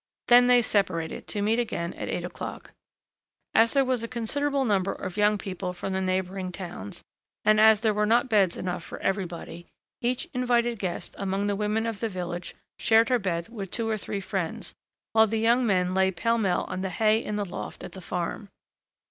Then they separated to meet again at eight o'clock. As there was a considerable number of young people from the neighboring towns, and as there were not beds enough for everybody, each invited guest among the women of the village shared her bed with two or three friends, while the young men lay pell mell on the hay in the loft at the farm.